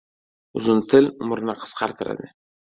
• Uzun til umrni qisqartiradi.